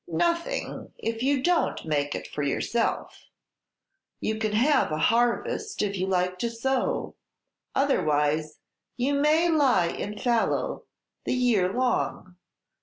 "Nothing, if you don't make it for yourself. You can have a harvest if you like to sow. Otherwise, you may lie in fallow the year long.